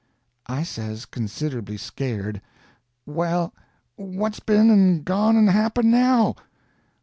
_" I says, considerably scared: "Well, what's been and gone and happened now?"